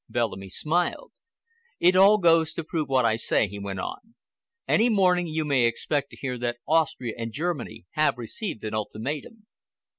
Bellamy smiled. "It all goes to prove what I say," he went on. "Any morning you may expect to hear that Austria and Germany have received an ultimatum."